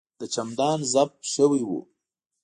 د چمدان زپ شوی و.